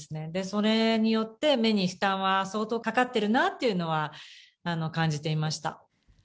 それによって、目に負担は相当かかってるなっていうのは感じていました。